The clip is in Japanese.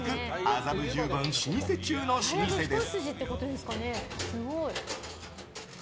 麻布十番老舗中の老舗です。